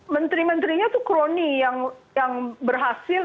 menteri menterinya itu kroni yang berhasil